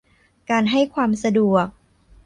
การให้ความสะดวก